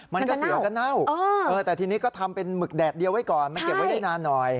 มันก็เสียก็เน่าแต่ทีนี้ก็ทำเป็นหมึกแดดเดียวไว้ก่อนมันเก็บไว้ได้นานหน่อย